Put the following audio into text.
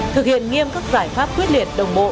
thực hiện nghiêm các giải pháp quyết liệt đồng bộ